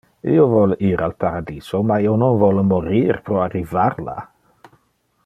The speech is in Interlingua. Io vole ir al paradiso, ma io non vole morir pro arrivar la!